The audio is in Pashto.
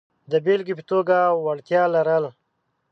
د بېلګې په توګه وړتیا لرل.